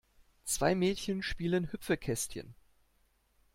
Zwei Mädchen spielen Hüpfekästchen.